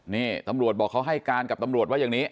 นี่ตำรวจบอกเขาให้การกับตำรวจว่าอย่างนี้